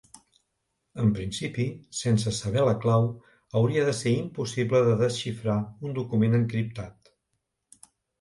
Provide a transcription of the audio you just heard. En principi, sense saber la clau, hauria de ser impossible de desxifrar un document encriptat.